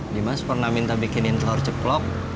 dimas pernah minta bikinin telur ceplok